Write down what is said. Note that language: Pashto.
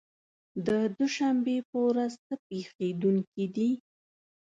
د دوشنبې په ورځ څه پېښېدونکي دي؟